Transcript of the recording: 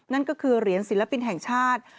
นั่นก็คือเหรียญศิลปินแห่งชาติ